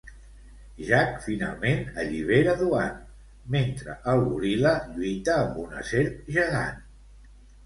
Jack finalment allibera Duane mentre el goril·la lluita amb una serp gegant.